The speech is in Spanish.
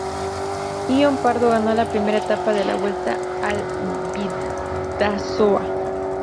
Ion Pardo ganó la primera etapa de la Vuelta al Bidasoa.